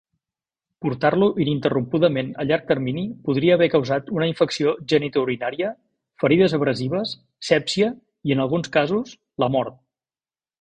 Portar-lo ininterrompudament a llarg termini podria haver causat una infecció genitourinària, ferides abrasives, sèpsia i, en alguns casos, la mort.